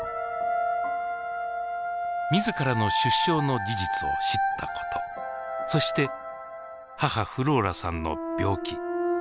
自らの出生の事実を知ったことそして母フローラさんの病気。